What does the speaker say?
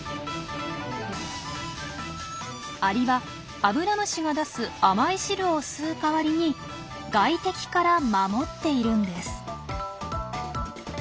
アリはアブラムシが出す甘い汁を吸う代わりに外敵から守っているんです。